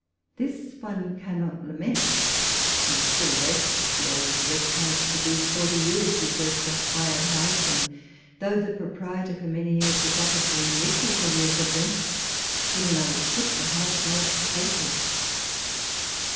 This one cannot lament ; and still less, as the old wretch has for these forty years usurped a hired house, and, though the proprietor for many years has offered to walpole's letters. 181 remit his arrears of rent, he will neither quit the house nor pay for it.